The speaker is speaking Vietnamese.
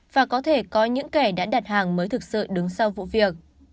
và có thể có những kẻ đã đặt hàng mới thực sự đứng sau vụ việc